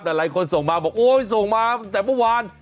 แต่หลายคนส่งมาบอกโอ๊ยส่งมาตั้งแต่เมื่อวาน